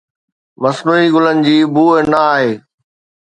مصنوعي گلن جي بوء نه آهي.